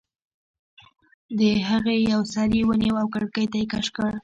د هغې یو سر یې ونیو او کړکۍ ته یې کش کړ